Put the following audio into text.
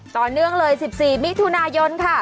ต่อเนื่องเลย๑๔มิถุนายนค่ะ